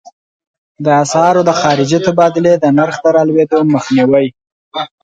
د اسعارو د خارجې تبادلې د نرخ د رالوېدو مخنیوی.